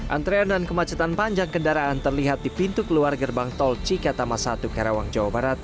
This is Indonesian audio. antrean dan kemacetan panjang kendaraan terlihat di pintu keluar gerbang tol cikatama satu karawang jawa barat